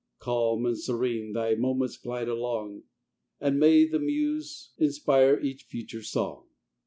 Calm and serene thy moments glide along, And may the muse inspire each future song!